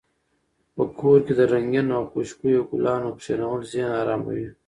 په کور کې د رنګینو او خوشبویه ګلانو کښېنول ذهن اراموي.